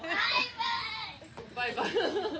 バイバイ。